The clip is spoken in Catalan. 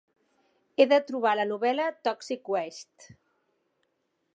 He de trobar la novel·la 'Toxic Waste'.